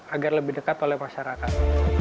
agar lebih dekat oleh masyarakat